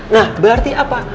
nah berarti apa